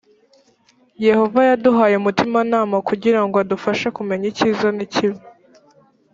yehova yaduhaye umutimanama kugira ngo adufashe kumenya ikiza n ikibi